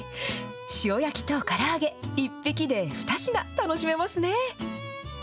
塩焼きとから揚げ、１匹で２品、楽しめますね。